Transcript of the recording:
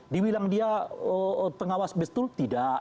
dibilang dia pengawas betul tidak